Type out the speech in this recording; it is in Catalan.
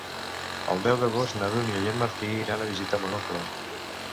El deu d'agost na Dúnia i en Martí iran a visitar mon oncle.